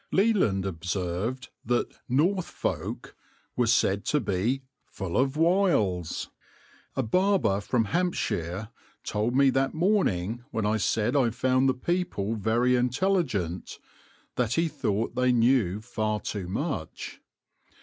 Leland observed that "Northfolk" were said to be "ful of wyles"; a barber, from Hants, told me that morning, when I said I found the people very intelligent, that he thought they knew far too much.